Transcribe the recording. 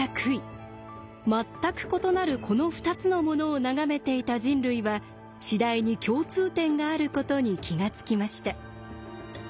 全く異なるこの２つのものを眺めていた人類は次第に共通点があることに気が付きました。